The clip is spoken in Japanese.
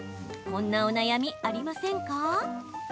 こんなお悩み、ありませんか？